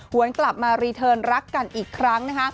วนกลับมารีเทิร์นรักกันอีกครั้งนะคะ